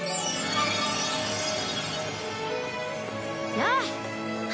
やあ！